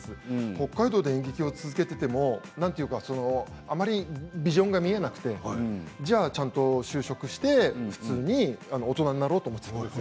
北海道で演劇を続けていてもあまりビジョンが見えなくてじゃあちゃんと就職をして普通に大人になろうと。